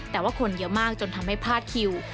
แต่ว่าคนเยอะมากจนทำให้พลาดคิว